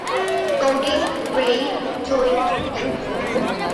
I. Goulding, Ray, Joint author.